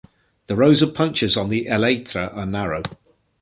The rows of punctures on the elytra are narrow.